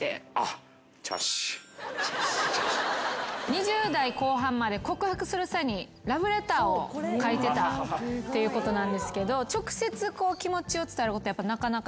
２０代後半まで告白する際にラブレターを書いてたっていうことなんですけど。